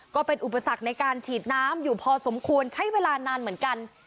ก็เป็นอุปสรรคในการฉีดน้ำอยู่พอสมควรใช้เวลานานเหมือนกัน